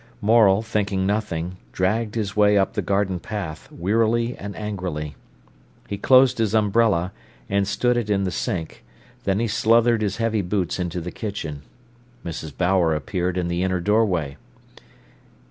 Morel, thinking nothing, dragged his way up the garden path, wearily and angrily. He closed his umbrella, and stood it in the sink; then he sluthered his heavy boots into the kitchen. Mrs. Bower appeared in the inner doorway.